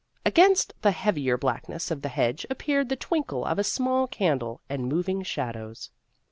Against the heavier blackness of the hedge appeared the twinkle of a small candle and moving shadows.